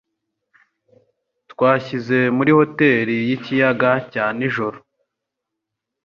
Twashyize muri hoteri yi kiyaga cya nijoro.